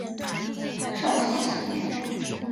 绍熙四年。